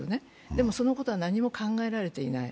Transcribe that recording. でもそのことは何も考えられていない。